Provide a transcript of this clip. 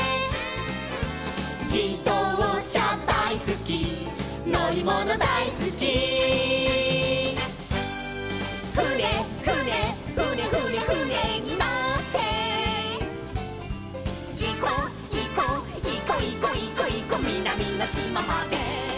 「じどうしゃだいすきのりものだいすき」「ふねふねふねふねふねにのって」「いこいこいこいこいこいこみなみのしままで」